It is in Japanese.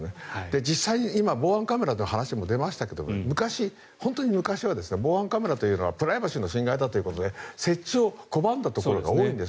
実際に今防犯カメラの話も出ましたが本当に昔は防犯カメラというのはプライバシーの侵害だということで設置を拒んだところが多いんです。